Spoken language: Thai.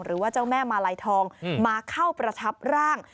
หรือว่าเจ้าแม่มาลัยทองมาเข้าประทับร่าง